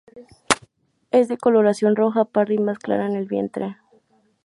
Es de coloración rojo parda, y más clara en el vientre.